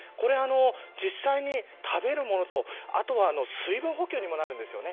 実際に食べるものとあとは水分補給にもなるんです。